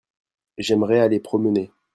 J'aimerais aller promener.